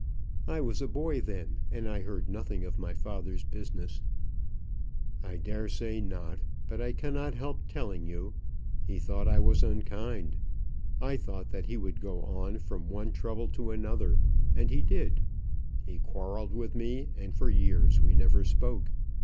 "I was a boy then, and I heard nothing of my father's business." "I dare say not; but I cannot help telling you. He thought I was unkind. I thought that he would go on from one trouble to another; and he did. He quarrelled with me, and for years we never spoke.